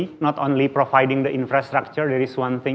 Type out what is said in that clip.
bukan hanya memberikan infrastruktur itu satu hal